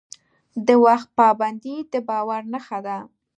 د وخت پابندي د باور نښه ده.